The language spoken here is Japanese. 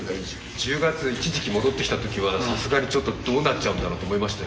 １０月、一時期戻ってきたときは、さすがにどうなっちゃうんだろうと思いましたよ。